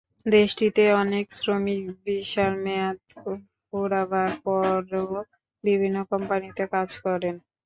দেশটিতে অনেক শ্রমিক ভিসার মেয়াদ ফুরাবার পরও বিভিন্ন কোম্পানিতে কাজ করেন।